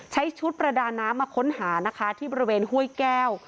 ใช้ชุดประดาน้ำมาค้นหานะคะที่บริเวณห้วยแก้ว